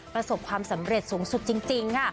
ประสบความสำเร็จสูงสุดจริงค่ะ